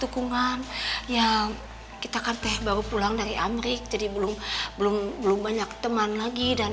dukungan ya kita kan teh baru pulang dari amrik jadi belum belum banyak teman lagi dan